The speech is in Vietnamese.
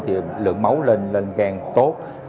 thì lượng máu lên gan tốt